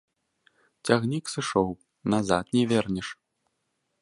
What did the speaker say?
Цягнік сышоў, назад не вернеш.